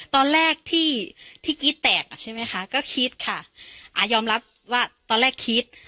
ตอนแรกที่ที่กรี๊ดแตกอ่ะใช่ไหมคะก็คิดค่ะอ่ายอมรับว่าตอนแรกคิด